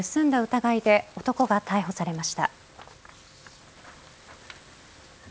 疑いで男が逮捕されました。